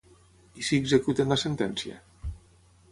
I si executen la sentència?